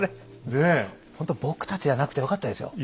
ほんと僕たちじゃなくてよかったですよ。